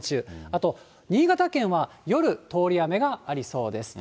あと、新潟県は夜、通り雨がありそうです。